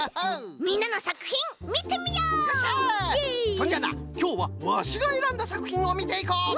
そんじゃあなきょうはワシがえらんださくひんをみていこう。